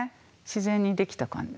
自然にできた感じ？